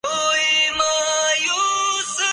یہ بچگانہ مذاق تھا